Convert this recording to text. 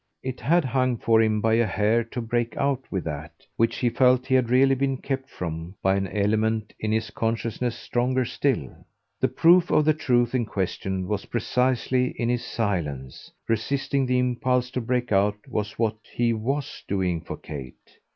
it had hung for him by a hair to break out with that, which he felt he had really been kept from by an element in his consciousness stronger still. The proof of the truth in question was precisely in his silence; resisting the impulse to break out was what he WAS doing for Kate.